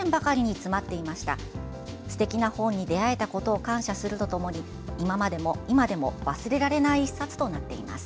すてきな本に出会えたことを感謝するとともに今でも忘れられない一冊となっています。